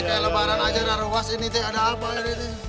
ini kayak lembaran aja udah ruas ini ada apa ini